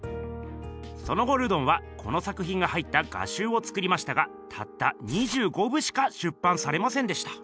その後ルドンはこの作ひんが入った画集を作りましたがたった２５部しか出版されませんでした。